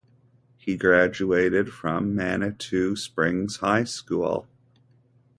He graduated from Manitou Springs High School.